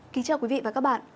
kính chào quý vị và các bạn